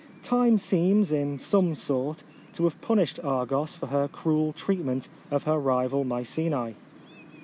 Time seems, in some sort, to have punished Argos for her cruel treatment of her rival Mycenae.